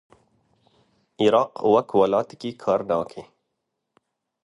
Iraq wek welatekî kar nake.